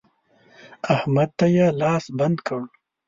احمد ته يې لاس بند کړ.